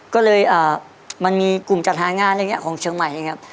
ก็เลยมันมีกลุ่มจัดหางานอะไรอย่างนี้ของเชียงใหม่ครับ